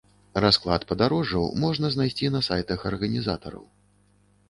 Расклад падарожжаў можна знайсці на сайтах арганізатараў.